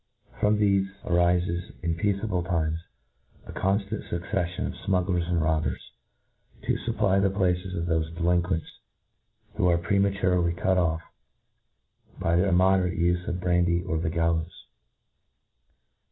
From thefe there arifes, in peaceable times, a conftant fucceffion of fmuggler§ and robbers, to fupply the places of thofe delinquents who are prematurely cut off by the immoderate ufe of brandy or of the gallows.